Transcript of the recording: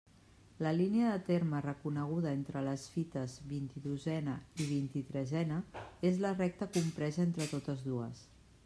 La línia de terme reconeguda entre les fites vint-i-dosena i vint-i-tresena és la recta compresa entre totes dues.